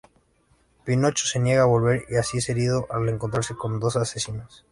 Pinocho se niega a volver, y así es herido al encontrarse con dos asesinos.